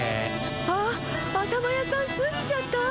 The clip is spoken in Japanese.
あっあたまやさんすぎちゃった？